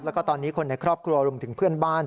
แล้วก็ตอนนี้คนในครอบครัวรวมถึงเพื่อนบ้าน